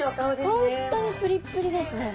本当にプリプリですね。